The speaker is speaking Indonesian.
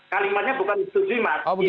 kalimatnya bukan disetujui mas